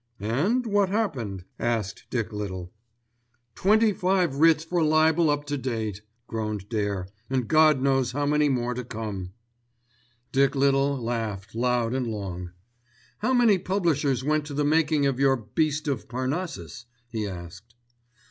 "And what happened!" asked Dick Little. "Twenty five writs for libel up to date," groaned Dare, "and God knows how many more to come." Dick Little laughed loud and long. "How many publishers went to the making of your Beast of Parnassus?" he asked.